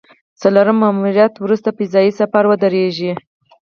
څلورم ماموریت وروسته فضايي سفر ودرېږي